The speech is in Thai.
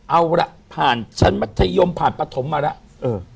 เอาล่ะผ่านชั้นมัธยมผ่านปฐมมาแล้ว